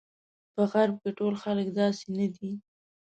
په غرب کې ټول خلک داسې نه دي.